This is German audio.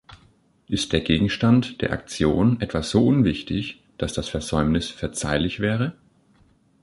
Ist der Gegenstand der Aktion etwa so unwichtig, dass das Versäumnis verzeihlich wäre?